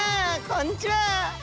こんにちは。